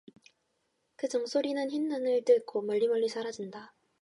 그 종소리는 흰눈을 뚫고 멀리멀리 사라진다.